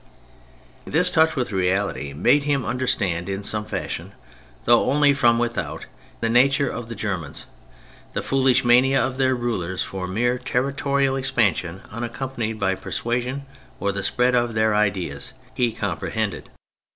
This touch with reality made him under stand in some fashion (though only from with out) the nature of the Germans. The foolish mania of their rulers for mere territorial expansion unaccompanied by persuasion or the spread of their ideas, he comprehended.